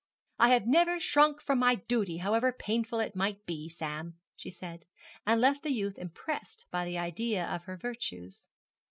'I have never shrunk from my duty, however painful it might be, Sam!' she said, and left the youth impressed by the idea of her virtues.